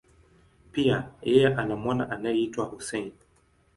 Pia, yeye ana mwana anayeitwa Hussein.